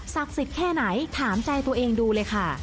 สิทธิ์แค่ไหนถามใจตัวเองดูเลยค่ะ